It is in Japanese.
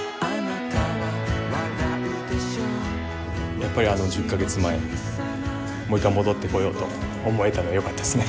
やっぱり１０か月前もう一回戻ってこようと思えたのはよかったですね。